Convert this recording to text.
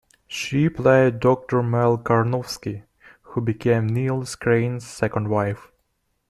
She played Doctor Mel Karnofsky, who became Niles Crane's second wife.